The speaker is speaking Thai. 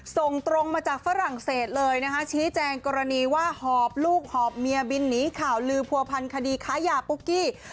ส่งตรงมาจากฝรั่งเศสเลยนะคะชี้แจงกรณีว่าหอบลูกหอบเมียบินหนีข่าวลือผัวพันคดีค้ายาปุ๊กกี้